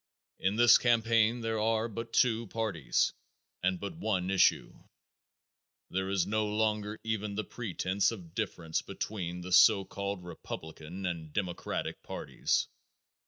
In this campaign there are but two parties and but one issue. There is no longer even the pretense of difference between the so called Republican and Democratic parties.